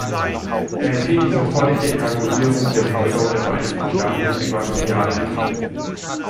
Er empfiehlt die sofortige Evakuierung der Bevölkerung der Vereinigten Staaten in äquatoriale Gebiete.